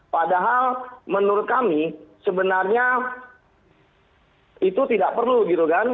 padahal menurut kami sebenarnya itu tidak perlu gitu kan